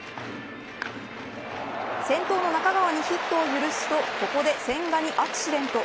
先頭の中川にヒットを許すとここで千賀にアクシデント。